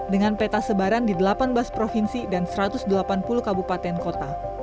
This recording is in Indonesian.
dengan peta sebaran di delapan belas provinsi dan satu ratus delapan puluh kabupaten kota